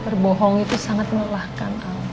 berbohong itu sangat melahkan al